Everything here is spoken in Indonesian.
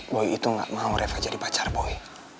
boy itu gak mau neng repa jadi pacar boy